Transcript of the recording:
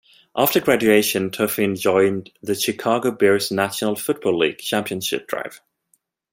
After graduation Tuffy joined the Chicago Bears' National Football league championship drive.